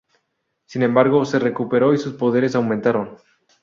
Sin embargo se recuperó y sus poderes aumentaron.